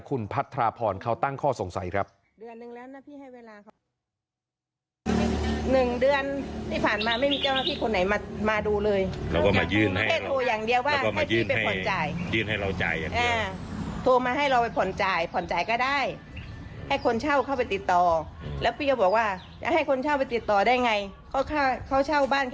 คุณพัทรพรเขาตั้งข้อสงสัยครับ